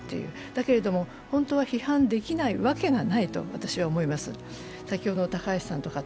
だけれども、本当は批判できないわけがないと私は思います。